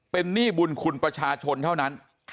เป็นหนี้บุญคุณประชาชนเท่านั้น